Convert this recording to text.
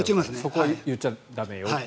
そこを言っちゃ駄目よと。